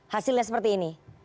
hasilnya seperti ini